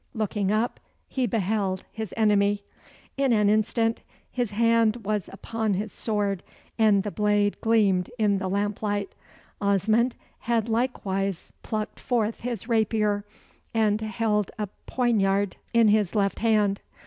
Looking up, he beheld his enemy. In an instant his hand was upon his sword, and the blade gleamed in the lamp light. Osmond had likewise plucked forth his rapier, and held a poignard in his left hand.